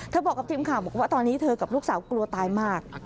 บอกกับทีมข่าวบอกว่าตอนนี้เธอกับลูกสาวกลัวตายมาก